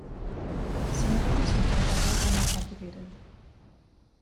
Some of them are simple, others are more complicated.